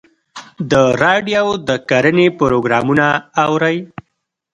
د راډیو د کرنې پروګرامونه اورئ؟